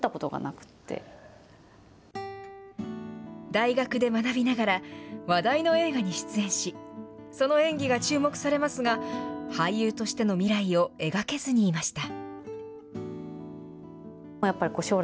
大学で学びながら、話題の映画に出演し、その演技が注目されますが、俳優としての未来を描けずにいました。